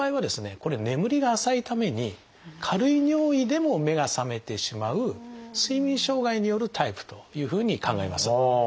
これ眠りが浅いために軽い尿意でも目が覚めてしまう睡眠障害によるタイプというふうに考えます。